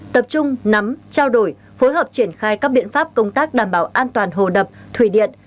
tập trung nắm trao đổi phối hợp triển khai các biện pháp công tác đảm bảo an toàn hồ đập thủy điện